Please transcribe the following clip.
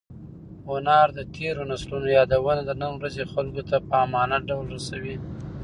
هنر د تېرو نسلونو یادونه د نن ورځې خلکو ته په امانت ډول رسوي.